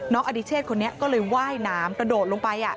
น้องอดิเชษคนนี้ก็เลยไหว้น้ำตะโดดลงไป